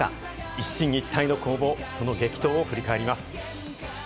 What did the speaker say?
一進一退の攻防、その激闘を振り返ります。